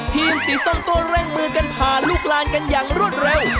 ทีมสีส้มตัวเร่งมือกันผ่านลูกลานกันอย่างรวดเร็ว